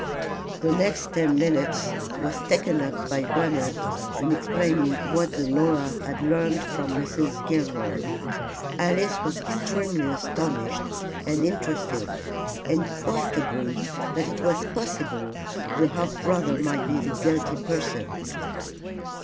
The next ten minutes was taken up by Bernard in explaining what the lawyer had learned from Mrs. Gilroy. Alice was extremely astonished and interested, and quite agreed that it was possible the half brother might be the guilty person.